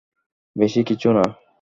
বেশি কিছু না।